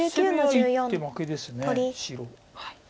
１手負けです白。